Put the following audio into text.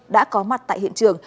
đã có mặt tại hiện trường